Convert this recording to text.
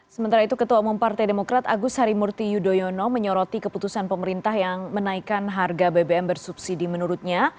sementara itu ketua umum partai demokrat agus harimurti yudhoyono menyoroti keputusan pemerintah yang menaikkan harga bbm bersubsidi menurutnya